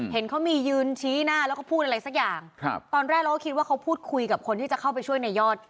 เห็นเขามียืนชี้หน้าแล้วก็พูดอะไรสักอย่างครับตอนแรกเราก็คิดว่าเขาพูดคุยกับคนที่จะเข้าไปช่วยในยอด